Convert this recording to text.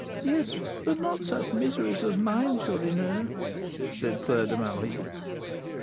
"Yes, but not such miseries as mine, Chourineur," said Fleur de Marie.